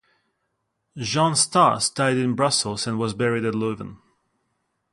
Jean Stas died in Brussels and was buried at Leuven.